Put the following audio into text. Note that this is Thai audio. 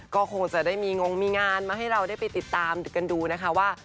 ก็คงจะได้มีงงมีงานมาให้เราได้ไปติดตามกันดูนะคะว่า